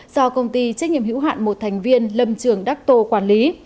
do công ty trách nhiệm hữu hạn một thành viên lâm trường đắc tô quản lý